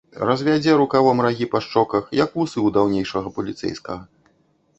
Развядзе рукавом рагі па шчоках, як вусы ў даўнейшага паліцэйскага.